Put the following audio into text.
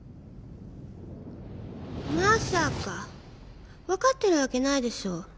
まさか。分かってるわけないでしょ。